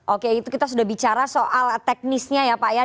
oke itu kita sudah bicara soal teknisnya ya pak ya